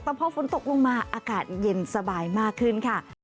แต่พอฝนตกลงมาอากาศเย็นสบายมากขึ้นค่ะ